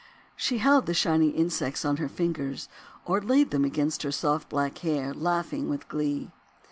She held the shining insects on her fingers, or laid them against her soft black hair, laughing with glee.